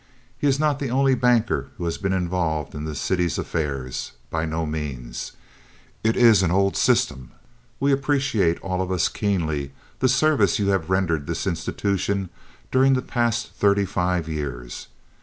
He is not the only banker who has been involved in the city's affairs. By no means. It is an old system. We appreciate, all of us, keenly, the services you have rendered this institution during the past thirty five years.